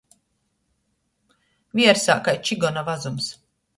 Viersā kai čyguona vazums.